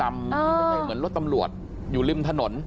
ไม่ใช่เหมือนรถตำรวจอยู่ริมถนน